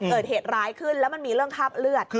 เกิดเหตุร้ายขึ้นแล้วมันมีเรื่องคราบเลือด